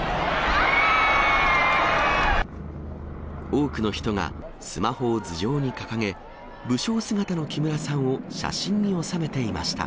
多くの人が、スマホを頭上に掲げ、武将姿の木村さんを写真に収めていました。